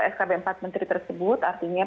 skb empat menteri tersebut artinya